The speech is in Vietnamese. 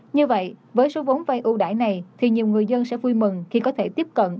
như vậy với số vốn vây ưu đải này nhiều người dân sẽ vui mừng khi có thể tiếp cận